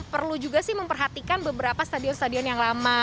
perlu juga sih memperhatikan beberapa stadion stadion yang lama